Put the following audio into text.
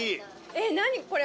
えっ何これ。